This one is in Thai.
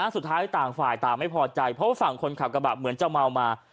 ต่างฝ่ายต่างไม่พอใจเพราะว่าฝั่งคนขับกระบะเหมือนจะเมามา